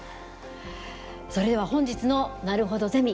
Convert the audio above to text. それでは本日の「なるほどゼミ」